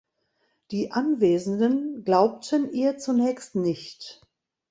Die Anwesenden glaubten ihr zunächst nicht.